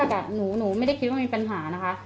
คือตอนแรกอ่ะหนูหนูไม่ได้คิดว่ามีปัญหานะคะ